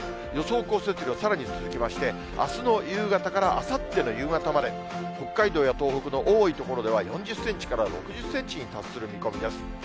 予想降雪量、さらに続きまして、あすの夕方からあさっての夕方まで、北海道や東北の多い所では、４０センチから６０センチに達する見込みです。